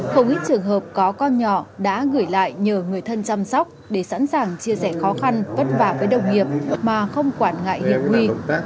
không ít trường hợp có con nhỏ đã gửi lại nhờ người thân chăm sóc để sẵn sàng chia sẻ khó khăn vất vả với đồng nghiệp mà không quản ngại hiểm nguy